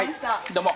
どうも。